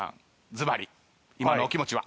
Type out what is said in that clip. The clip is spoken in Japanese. ずばり今のお気持ちは？